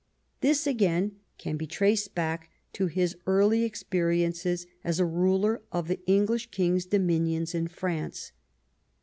This again can be traced back to his early experiences as a ruler of the English King's dominions in France.